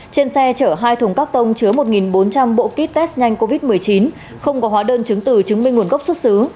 trên xe chở hai thùng các tông chứa một bốn trăm linh bộ kit test nhanh covid một mươi chín không có hóa đơn chứng từ chứng minh nguồn gốc xuất xứ